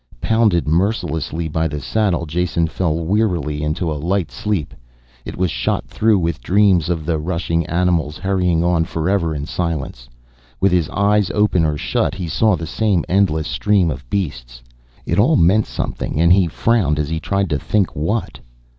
Pounded mercilessly by the saddle, Jason fell wearily into a light sleep. It was shot through with dreams of the rushing animals, hurrying on forever in silence. With his eyes open or shut he saw the same endless stream of beasts. It all meant something, and he frowned as he tried to think what.